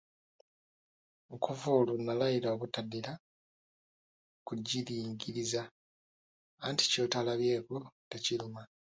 Okuva olwo nalayira obutaddira kugiringiriza, anti ky'otalabyeko tekiruma.